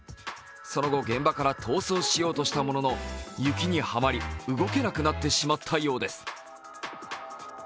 その後、現場から逃走しようとしたものの、雪にはまり動けなくなってしまったようです。